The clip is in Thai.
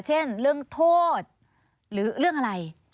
เช่นเรื่องโทษหรือเรื่องอะไร